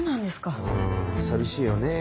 うん寂しいよね。